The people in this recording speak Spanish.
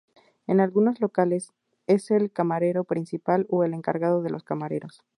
En algunos locales es el "camarero principal" o el "encargado de los camareros".